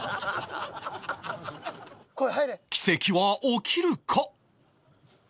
奇跡は起きるか？